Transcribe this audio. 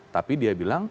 tapi dia bilang